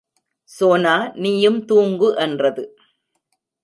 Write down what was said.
சோனா, நீயும் தூங்கு என்றது.